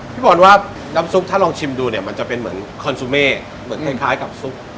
พี่บอลว่าน้ำซุปถ้าลองชิมดูเนี่ยมันจะเป็นเหมือนคอนซูเม่เหมือนคล้ายกับซุป